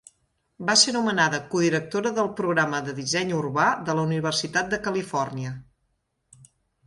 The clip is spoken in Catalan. Va ser nomenada codirectora del Programa de Disseny Urbà de la Universitat de Califòrnia.